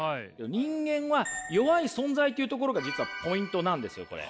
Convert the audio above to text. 「人間は弱い存在」というところが実はポイントなんですよこれ。